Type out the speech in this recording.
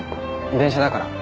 電車だから。